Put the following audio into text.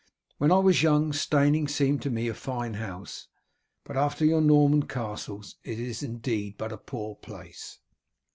When I was young, Steyning seemed to me a fine house, but after your Norman castles it is indeed but a poor place."